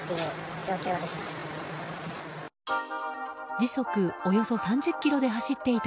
時速およそ３０キロで走っていた